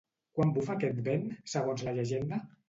Quan bufa aquest vent, segons la llegenda?